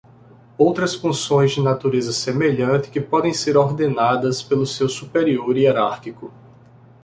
Outras funções de natureza semelhante que podem ser ordenadas pelo seu superior hierárquico.